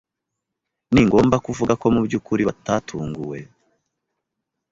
Ningomba kuvuga ko mubyukuri batatunguwe.